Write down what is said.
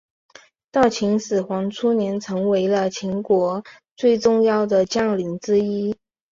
到秦始皇初年成为了秦国最重要的将领之一。